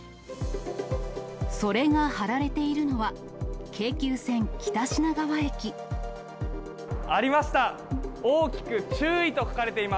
それが貼られているのは、ありました。